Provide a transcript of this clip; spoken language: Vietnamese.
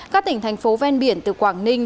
các tỉnh thành phố ven biển từ quảng ninh